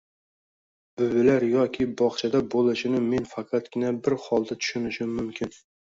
buvilar yoki bog‘chada bo‘lishini men faqatgina bir holda tushunishim mumkin